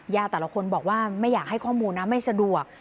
แต่ละคนบอกว่าไม่อยากให้ข้อมูลนะไม่สะดวก